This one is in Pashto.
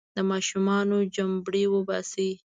د ماشومانو چمبړې وباسي.